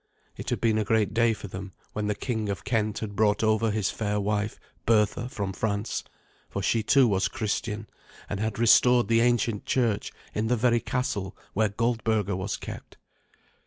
It had been a great day for them when the King of Kent had brought over his fair wife, Bertha, from France, for she, too, was Christian, and had restored the ancient church in the very castle where Goldberga was kept.